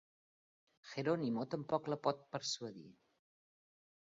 Geronimo tampoc la pot persuadir.